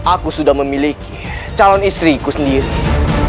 aku sudah memiliki calon istriku sendiri